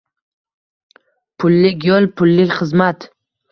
Pullik yoʻl, pullik xizmat